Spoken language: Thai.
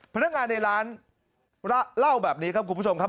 พนักงานในร้านเล่าแบบนี้ครับคุณผู้ชมครับ